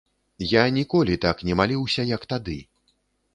Я ніколі так не маліўся, як тады.